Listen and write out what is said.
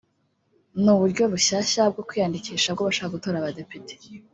ni uburyo bushya bwo kwiyandikisha bw’abashaka gutora abadepite